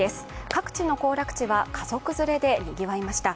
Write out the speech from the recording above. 各地の行楽地は家族連れでにぎわいました。